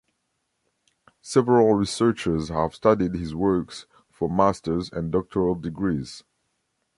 Several researchers have studied his works for masters and doctoral degrees.